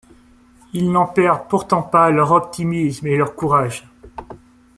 Ils n'en perdent pourtant pas leur optimisme et leur courage.